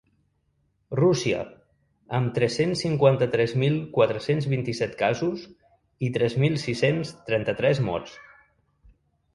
Rússia, amb tres-cents cinquanta-tres mil quatre-cents vint-i-set casos i tres mil sis-cents trenta-tres morts.